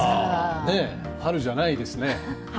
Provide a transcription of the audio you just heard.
春じゃないですね。